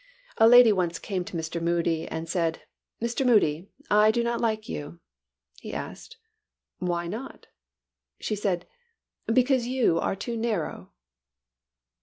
A lady once came to Mr. Moody and said, "Mr. Moody, I do not like you." He asked, "Why not?" She said, "Because you are too narrow."